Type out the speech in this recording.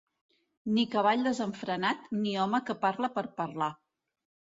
Ni cavall desenfrenat, ni home que parle per parlar.